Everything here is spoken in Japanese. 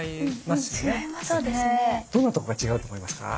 どんなとこが違うと思いますか？